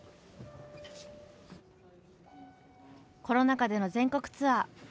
コロナ禍での全国ツアー。